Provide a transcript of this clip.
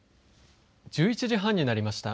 １１時半になりました。